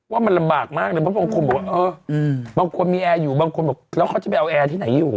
ว่ามันลำบากมากเลยเพราะบางคนบอกว่าเออบางคนมีแอร์อยู่บางคนบอกแล้วเขาจะไปเอาแอร์ที่ไหนอยู่